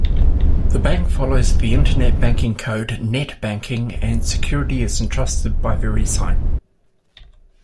The bank follows the internet banking code NetBanking and security is entrusted by Verisign.